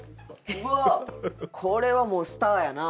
うわっこれはもうスターやな。